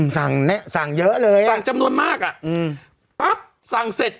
สั่งเนี้ยสั่งเยอะเลยอ่ะสั่งจำนวนมากอ่ะอืมปั๊บสั่งเสร็จ